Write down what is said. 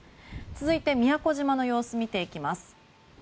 続いて宮古島の様子を見ていきます。